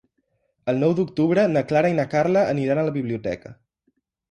El nou d'octubre na Clara i na Carla aniran a la biblioteca.